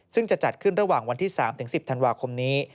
ซึ่งจะจัดขึ้นระหว่างวันที่๓๑๐ธันวาคมนี้